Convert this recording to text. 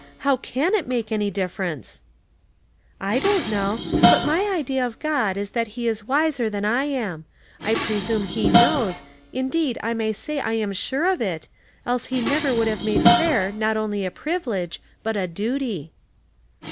How can it make any difference? " ''/don't know ; but my idea of God is that he is wiser than I am. I presume he knows, in deed I may say I am sure of it, else he never would have made prayer not only a privilege, but a duty."